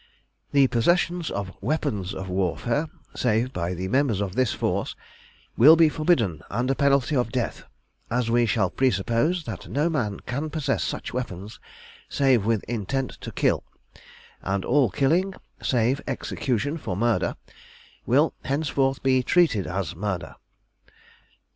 "The possession of weapons of warfare, save by the members of this force, will be forbidden under penalty of death, as we shall presuppose that no man can possess such weapons save with intent to kill, and all killing, save execution for murder, will henceforth be treated as murder.